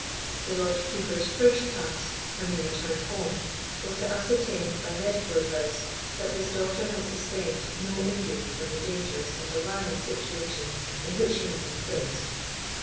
The Lord Keeper's first task, when he returned home, was to ascertain by medical advice that his daughter had sustained no injury from the dangerous and alarming situation in which she had been placed.